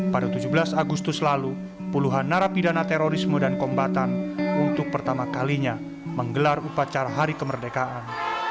pada tujuh belas agustus lalu puluhan narapidana terorisme dan kombatan untuk pertama kalinya menggelar upacara hari kemerdekaan